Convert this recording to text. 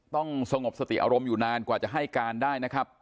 สงบสติอารมณ์อยู่นานกว่าจะให้การได้นะครับ